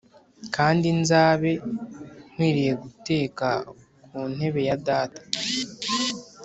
kandi nzabe nkwiriye guteka ku ntebe ya data.